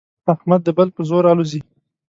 احمد د بل په زور الوزي.